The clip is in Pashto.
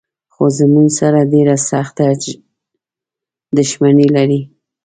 خو زموږ سره ډېره سخته شخصي دښمني لري.